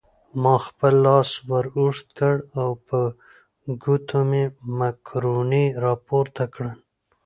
ما خپل لاس ور اوږد کړ او په ګوتو مې مکروني راپورته کړل.